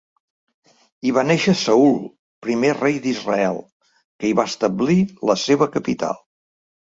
Hi va néixer Saül, primer rei d'Israel, que hi va establir la seva capital.